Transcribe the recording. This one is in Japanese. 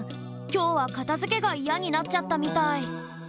きょうはかたづけがイヤになっちゃったみたい。